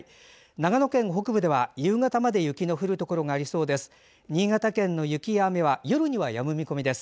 長野県北部では夕方まで雪の降るところがありそうです。